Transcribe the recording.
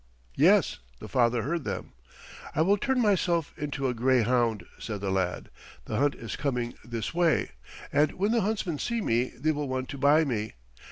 Yes, the father heard them. "I will turn myself into a greyhound," said the lad. "The hunt is coming this way, and when the huntsmen see me they will want to buy me.